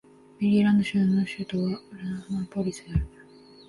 メリーランド州の州都はアナポリスである